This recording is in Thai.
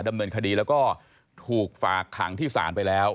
ดำเนินคดีแล้วก็ถูกฝากขังที่ศาลไปแล้ว